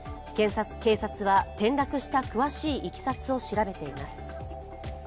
警察は転落した詳しいいきさつを調べています。